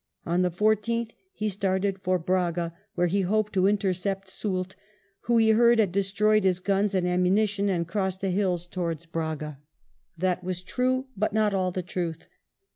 On the 14th he started for Braga, where he hoped to intercept Soult, who, he heard, had destroyed his guns and ammu nition and crossed the hills towards Braga. That was true, but not all the truth.